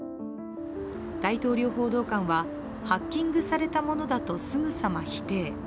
大統領報道官はハッキングされたものだとすぐさま否定。